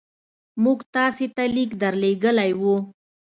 موږ تاسي ته لیک درلېږلی وو.